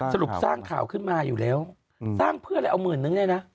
สรุปสร้างข่าวขึ้นมาอยู่แล้วสร้างเพื่ออะไรเอาหมื่นนึงเนี่ยนะ